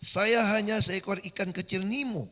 saya hanya seekor ikan kecil nemo